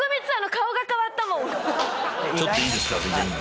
ちょっといいですか。